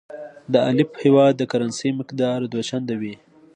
د الف هیواد د کرنسۍ مقدار دوه چنده وي.